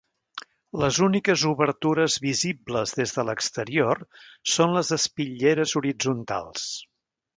Les úniques obertures visibles des de l'exterior són les espitlleres horitzontals.